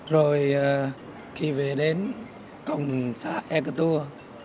rồi khi về đến cổng xã ectur